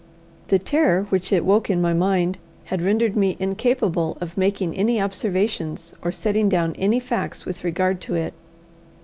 The terror which it woke in my mind had rendered me incapable of making any observations or setting down any facts with regard to it.